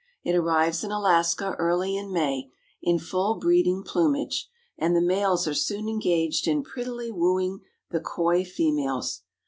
It arrives in Alaska early in May, in full breeding plumage, and the males are soon engaged in prettily wooing the coy females.